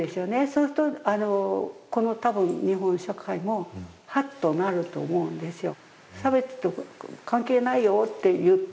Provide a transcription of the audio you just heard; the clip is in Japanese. そうすると、この日本社会もハッとなると思うんですよ。